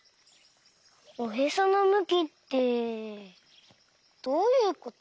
おへそのむきってどういうこと？